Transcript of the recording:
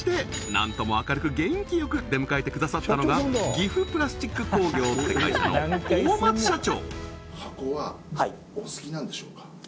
なんとも明るく元気よく出迎えてくださったのが岐阜プラスチック工業って会社の大松社長